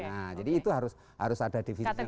nah jadi itu harus ada di video yang jelas